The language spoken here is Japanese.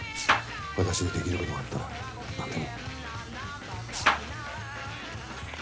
私にできることがあったら何でも。